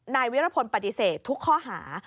นายวิรพลปฏิเสธทุกข้อหา